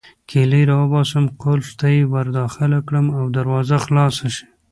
کیلۍ راوباسم، قلف ته يې ورداخله کړم او دروازه خلاصه شي.